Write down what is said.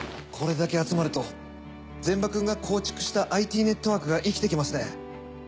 これだけ集まると膳場くんが構築したＩＴネットワークが生きてきますね。